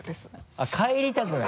あっ帰りたくない。